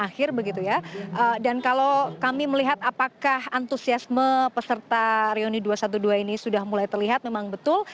kalau kami melihat apakah antusiasme peserta reuni dua ratus dua belas ini sudah mulai terlihat memang betul